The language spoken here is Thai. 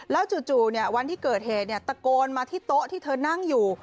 แล้วจู่วันที่เกิดเหตุตะโกนมาที่โต๊ะที่เธอนั่งอยู่